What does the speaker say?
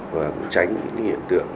và cũng tránh những hiện tượng